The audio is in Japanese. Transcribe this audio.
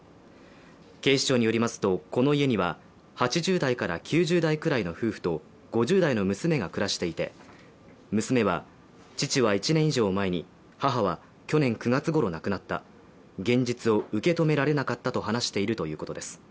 警視庁によりますと、この家には８０代から９０代くらいの夫婦と、５０代の娘が暮らしていて、娘は父は１年以上前に母は去年９月ごろ亡くなった現実を受け止められなかったと話しているということです。